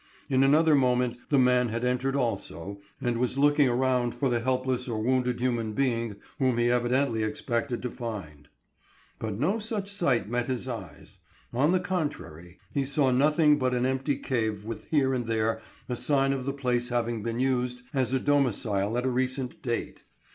In another moment the man had entered also and was looking around for the helpless or wounded human being whom he evidently expected to find. But no such sight met his eyes. On the contrary, he saw nothing but an empty cave with here and there a sign of the place having been used as a domicile at a recent date.